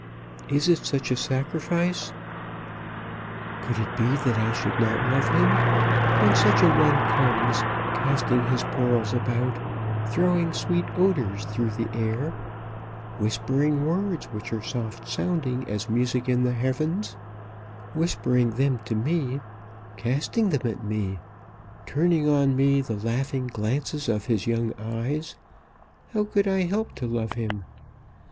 "Is it such a sacrifice?" "Could it be that I should not love him? When such a one comes, casting his pearls about, throwing sweet odours through the air, whispering words which are soft sounding as music in the heavens, whispering them to me, casting them at me, turning on me the laughing glances of his young eyes, how could I help to love him?